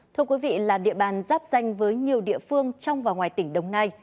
thưa quý vị là địa bàn giáp danh với nhiều địa phương trong và ngoài tỉnh đồng nai